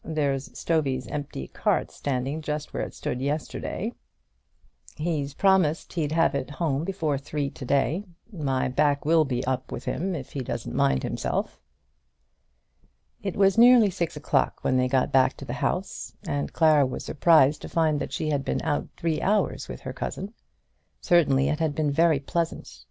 There's Stovey's empty cart standing just where it stood yesterday; and he promised he'd have it home before three to day. My back will be up with him if he doesn't mind himself." It was nearly six o'clock when they got back to the house, and Clara was surprised to find that she had been out three hours with her cousin. Certainly it had been very pleasant.